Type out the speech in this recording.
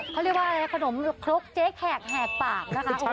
เขาเรียกว่าอะไรขนมครกเจ๊แขกแหกปากนะคะ